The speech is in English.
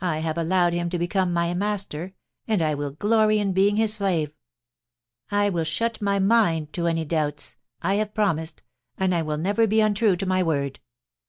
I have allowed him to 258 POUCY AND PASSION, become my master, and I will glory in being his slave. I will shut my mind to any doubts — I have promised, and I will never be imtrue to my word.